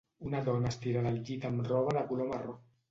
Una dona estirada al llit amb roba de color marró